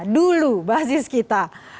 dulu basis kita